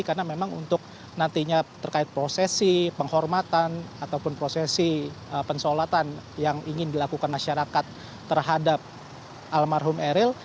karena memang untuk nantinya terkait prosesi penghormatan ataupun prosesi pensolatan yang ingin dilakukan masyarakat terhadap almarhum eril